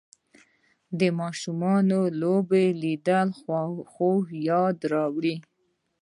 د ماشوم لوبې لیدل خوږ یاد راوړي